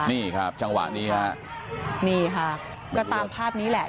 นี่ครับจังหวะนี้ฮะนี่ค่ะก็ตามภาพนี้แหละ